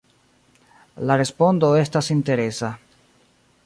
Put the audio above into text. La respondo estas interesa.